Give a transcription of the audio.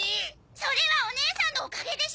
それはおねえさんのおかげでしょ！